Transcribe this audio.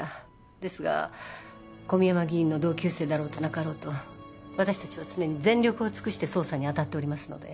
ですが小宮山議員の同級生だろうとなかろうと私たちは常に全力を尽くして捜査にあたっておりますので。